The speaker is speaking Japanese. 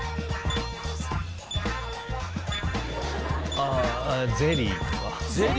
ああゼリーとか？